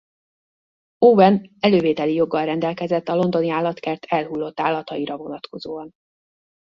Owen elővételi joggal rendelkezett a Londoni Állatkert elhullott állataira vonatkozóan.